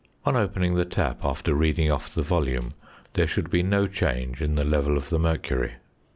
On opening the tap after reading off the volume, there should be no change in the level of the mercury.